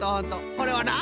これはな